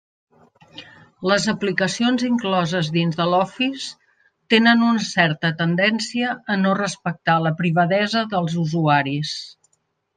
Les aplicacions incloses dins de l'Office tenen una certa tendència a no respectar la privadesa dels usuaris.